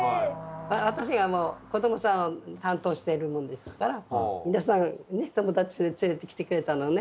私がもう子供さん担当してるもんですから皆さんね友達連れてきてくれたのね。